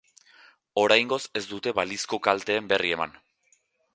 Oraingoz ez dute balizko kalteen berri eman.